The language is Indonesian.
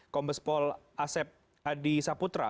kombes pol asep adi saputra